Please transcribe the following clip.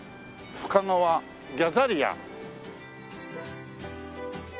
深川ギャザリア。